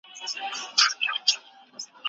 تر څو چي هغوی اجازه ورکړه.